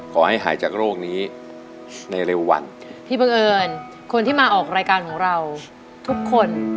ขอให้หายจากโรคนี้ในเร็ววัน